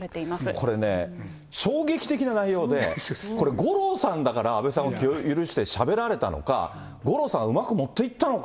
これね、衝撃的な内容で、これ、五郎さんだから安倍さんは気を許してしゃべられたのか、五郎さんがうまくもっていったのか。